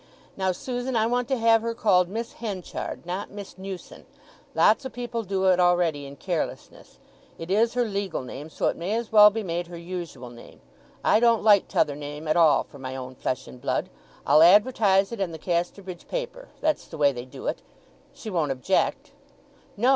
Now Susan, I want to have her called Miss Henchard—not Miss Newson. Lots o' people do it already in carelessness—it is her legal name—so it may as well be made her usual name—I don't like t'other name at all for my own flesh and blood. I'll advertise it in the Casterbridge paper—that's the way they do it. She won't object." "No.